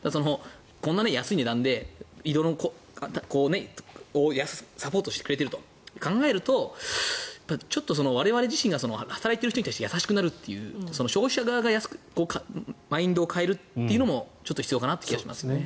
こんな安い値段で色々サポートしてくれていると考えるとちょっと我々自身が働いている人に対して優しくなるという消費者側がマインドを変えるというのもちょっと必要かなという気がします。